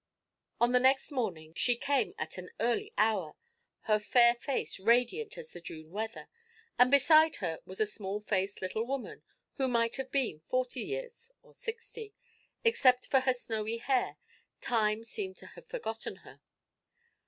On the next morning she came at an early hour, her fair face radiant as the June weather, and beside her was a small faced little woman who might have seen forty years or sixty; except for her snowy hair, time seemed to have forgotten her.